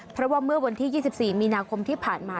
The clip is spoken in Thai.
เพราะว่าเมื่อวันที่๒๔มีนาคมที่ผ่านมา